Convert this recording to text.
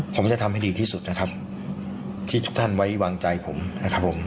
ผมจะทำให้ดีที่สุดนะครับที่ทุกท่านไว้วางใจผมนะครับผม